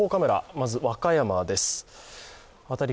まず和歌山です辺り